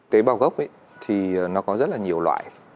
tế bào gốc ấy thì nó có rất là nhiều loại